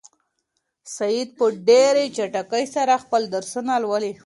سعید په ډېرې چټکۍ سره خپل درسونه لولي.